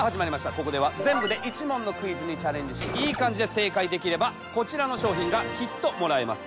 ここでは全部で１問のクイズにチャレンジしイイ感じで正解できればこちらの商品がきっともらえます。